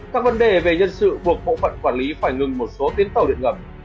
các vấn đề về nhân sự buộc bộ phận quản lý phải ngừng một số tiến tàu điện ngầm